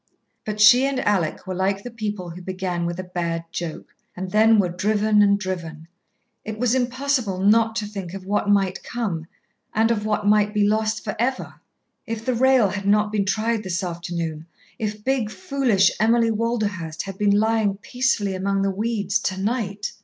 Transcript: But she and Alec were like the people who began with a bad joke, and then were driven and driven. It was impossible not to think of what might come, and of what might be lost for ever. If the rail had not been tried this afternoon, if big, foolish Emily Walderhurst had been lying peacefully among the weeds to night!